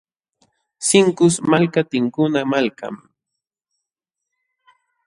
Sinkus malka tinkuna malkam.